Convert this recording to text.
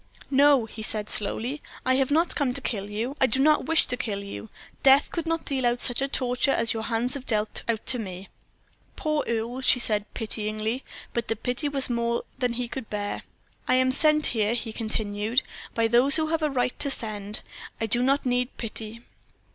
"No," he said slowly; "I have not come to kill you; I do not wish to kill you. Death could not deal out such torture as your hands have dealt out to me." "Poor Earle," she said pityingly; but the pity was more than he could bear. "I am sent here," he continued, "by those who have a right to send. I do not need pity."